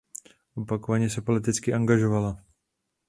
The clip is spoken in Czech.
Opakovaně se politicky angažovala.